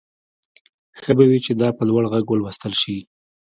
ښه به وي چې دا په لوړ غږ ولوستل شي